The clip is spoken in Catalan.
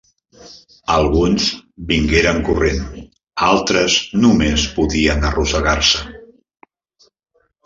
Alguns vingueren corrent, altres només podien arrossegar-se.